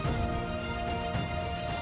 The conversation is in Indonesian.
silat harimau pasaman